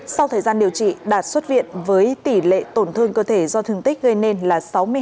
sau thời gian điều trị đạt xuất viện với tỷ lệ tổn thương cơ thể do thương tích gây nên là sáu mươi năm